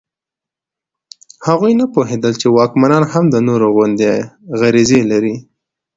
هغوی نه پوهېدل چې واکمنان هم د نورو غوندې غریزې لري.